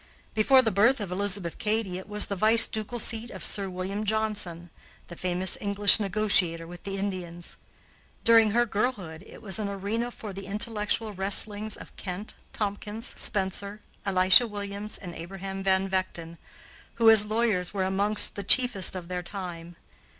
Before the birth of Elizabeth Cady it was the vice ducal seat of Sir William Johnson, the famous English negotiator with the Indians. During her girlhood it was an arena for the intellectual wrestlings of Kent, Tompkins, Spencer, Elisha Williams, and Abraham Van Vechten, who, as lawyers, were among the chiefest of their time.